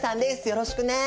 よろしくね！